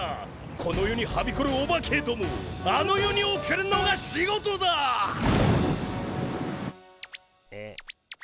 この世にはびこるオバケどもをあの世に送るのが仕事だ！え。